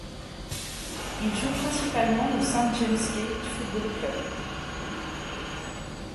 Il joue principalement au Saint James's Gate Football Club.